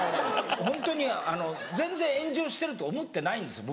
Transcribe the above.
ホントに全然炎上してると思ってないんですよ